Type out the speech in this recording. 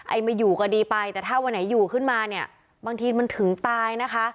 ไม่อยู่ก็ดีไปแต่ถ้าวันไหนอยู่ขึ้นมาเนี่ยบางทีมันถึงตายนะคะ